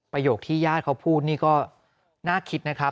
โยคที่ญาติเขาพูดนี่ก็น่าคิดนะครับ